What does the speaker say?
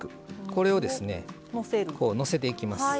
これをですねこうのせていきます。